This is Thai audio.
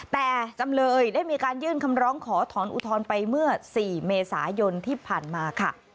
แต่จำเลยได้มีการยื่นคำร้องขอถอนอุทธรณ์ไปเมื่อ๔เมษายนที่ผ่านมาค่ะ